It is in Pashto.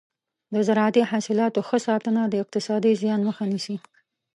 د زراعتي حاصلاتو ښه ساتنه د اقتصادي زیان مخه نیسي.